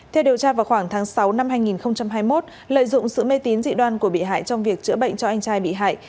theo điều tra vào khoảng tháng sáu năm hai nghìn hai mươi một lợi dụng sự mê tín dị đoan của bị hại trong việc chữa bệnh cho anh trai bị hại